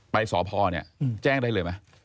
ไปสพเนี่ยแจ้งได้เลยไหม